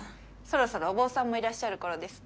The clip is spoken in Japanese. そろそろお坊さんもいらっしゃる頃です。